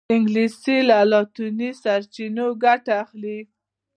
انګلیسي له لاطیني سرچینو ګټه اخلي